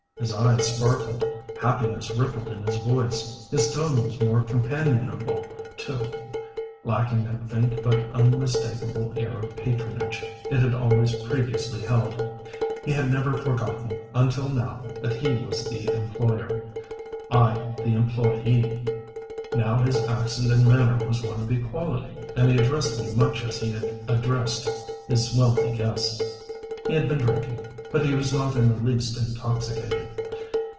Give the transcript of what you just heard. His eyes sparkled; happiness rippled in his voice. His tone was more companionable too, lacking that faint but unmistakable air of patronage it had always previously held. He had never forgotten, until now, that he was the employer, I the employee. Now his accent and manner was one of equality, and he addressed me much as he had addressed his wealthy guests. He had been drinking; but he was not in the least intoxicated.